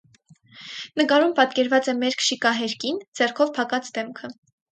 Նկարում պատկերված է մերկ, շիկահեր կին՝ ձեռքով փակած դեմքը։